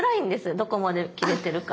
どこまで切れてるか。